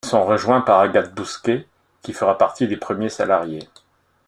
Ils sont rejoints par Agathe Bousquet, qui fera partie des premiers salariés.